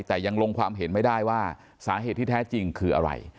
แต่ยังลงความเห็นไม่ได้ว่าสาเหตุที่แท้จริงคืออะไร